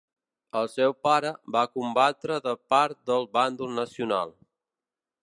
El seu pare va combatre de part del bàndol nacional.